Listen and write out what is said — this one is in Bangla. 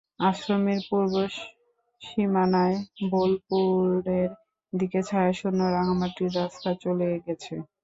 আশ্রমের পূর্ব সীমানায় বোলপুরের দিকে ছায়াশূন্য রাঙামাটির রাস্তা গেছে চলে।